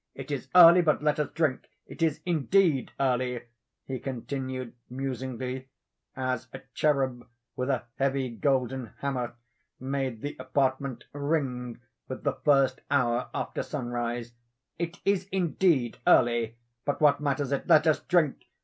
It is early—but let us drink. It is indeed early," he continued, musingly, as a cherub with a heavy golden hammer made the apartment ring with the first hour after sunrise: "It is indeed early—but what matters it? let us drink!